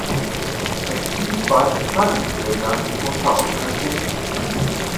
Es stieß bei Entscheidungsträgern mitunter auf Kritik.